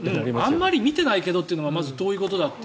あんまり見てないけどっていうのがまず、どういうことだって。